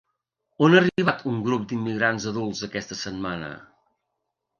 On ha arribat un grup d'immigrants adults aquesta setmana?